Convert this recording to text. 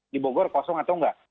di bogor kosong atau enggak